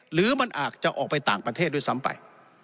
หรือมันอาจจะออกไปต่างประเทศด้วยซ้ำไป